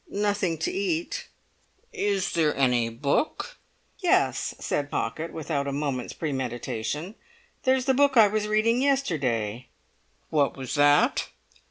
"Nothing to eat." "Is there any book?" "Yes," said Pocket, without a moment's premeditation. "There's the book I was reading yesterday." "What was that?"